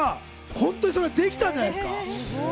本当にできたんじゃないですか？